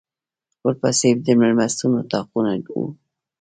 ورپسې د مېلمستون اطاقونه و.